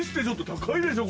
高いでしょ？